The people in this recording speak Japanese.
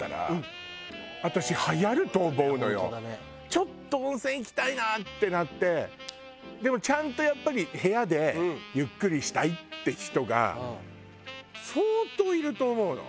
ちょっと温泉行きたいなってなってでもちゃんとやっぱり部屋でゆっくりしたいって人が相当いると思うの。